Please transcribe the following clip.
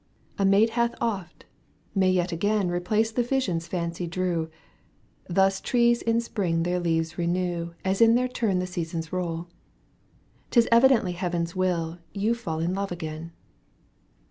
A maid hath oft, may yet again Eeplace the visions fancy drew ; Thus trees in spring their leaves renew As in their turn the seasons roll. 'Tis evidently Heaven's will You f aU in love again.